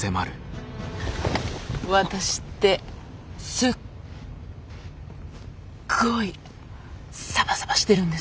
ワタシってすっごいサバサバしてるんです。